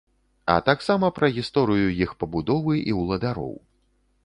А таксама пра гісторыю іх пабудовы і уладароў.